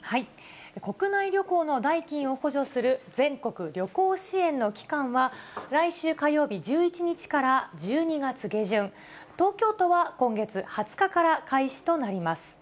国内旅行の代金を補助する全国旅行支援の期間は、来週火曜日１１日から１２月下旬、東京都は今月２０日から開始となります。